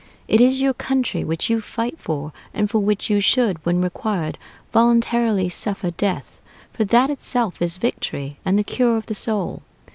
It is your country which you fight for, and for which you should, when required, voluntarily suffer death; for that itself is victory and the cure of the soul.